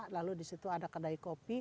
lalu di situ ada kedai kopi